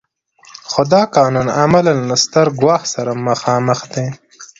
خو دا قانون عملاً له ستر ګواښ سره مخامخ دی.